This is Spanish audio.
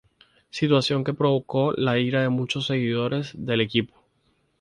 Situación que provocó la ira de muchos seguidores del equipo.